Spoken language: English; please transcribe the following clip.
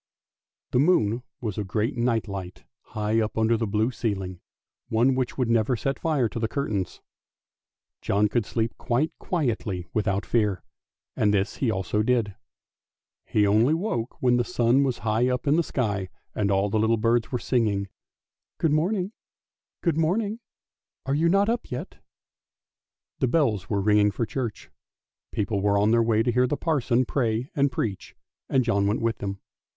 The moon was a great night light high up under the blue ceiling, one which would never set fire to the curtains. John could sleep quite quietly without fear, and this he also did. He only woke when the sun was high up in the sky and all the little birds were singing, " Good morning! Good morning! Are you not up yet? " The bells were ringing for church ; people were on their way to hear the parson pray and preach, and John went with them.